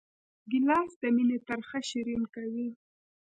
ګیلاس د مینې ترخه شیرین کوي.